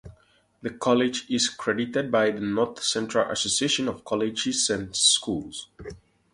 The College is accredited by the North Central Association of Colleges and Schools.